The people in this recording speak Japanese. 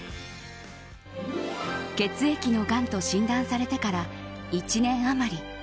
血液のがんと診断されてから１年余り。